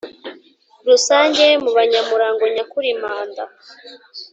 Rusange mu banyamurango nyakuri Manda